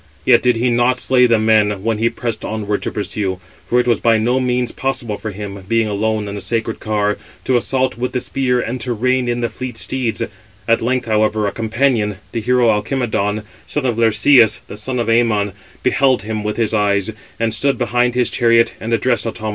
Yet did he not slay the men when he pressed onward to pursue; for it was by no means possible for him, being alone in the sacred 562 car, to assault with the spear and to rein in the fleet steeds. At length, however, a companion, the hero Alcimedon, son of Laërceus, the son of Æmon, beheld him with his eyes, and stood behind his chariot, and addressed Automedon: Footnote 561: (return) The Trojans. Footnote 562: (return) _I.